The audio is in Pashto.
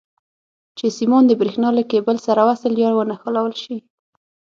چې سیمان د برېښنا له کیبل سره وصل یا ونښلول شي.